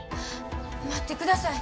待ってください。